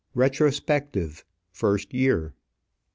RETROSPECTIVE. FIRST YEAR.